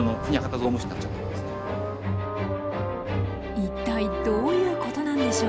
一体どういうことなんでしょう？